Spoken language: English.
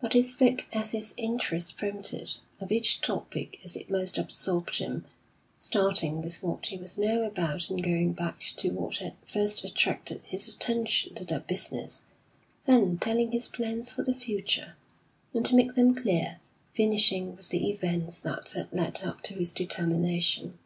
But he spoke as his interest prompted, of each topic as it most absorbed him, starting with what he was now about and going back to what had first attracted his attention to that business; then telling his plans for the future, and to make them clear, finishing with the events that had led up to his determination.